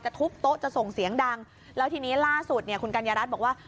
ทุบโต๊ะจะส่งเสียงดังแล้วทีนี้ล่าสุดเนี่ยคุณกัญญารัฐบอกว่า